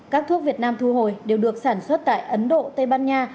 các thuốc việt nam thu hồi đều được sản xuất tại ấn độ tây ban nha